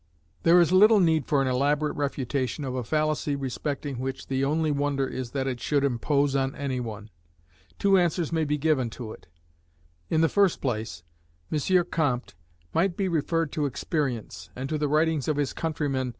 There is little need for an elaborate refutation of a fallacy respecting which the only wonder is that it should impose on any one. Two answers may be given to it. In the first place, M. Comte might be referred to experience, and to the writings of his countryman M.